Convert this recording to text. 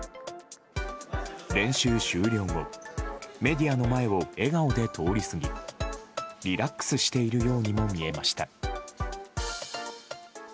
練習終了後メディアの前を笑顔で通り過ぎリラックスしているようにも見えました。